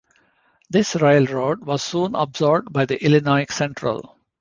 This railroad was soon absorbed by the Illinois Central.